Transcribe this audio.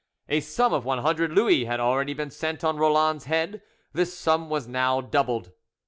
A sum of 100 Louis had already been set on Roland's head: this sum was now doubled.